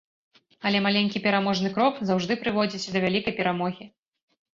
Але маленькі пераможны крок заўжды прыводзіць да вялікай перамогі.